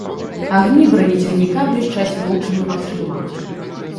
Агні бронецягніка блішчаць воўчымі вачыма.